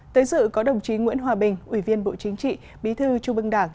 tới dự có đồng chí nguyễn hòa bình ủy viên bộ chính trị bí thư trung bưng đảng